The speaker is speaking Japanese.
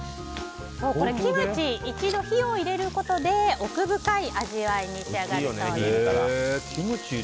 キムチ、一度火を入れることで奥深い味わいに仕上がるそうです。